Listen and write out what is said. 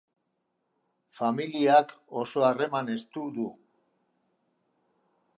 Familiak oso harreman estu du.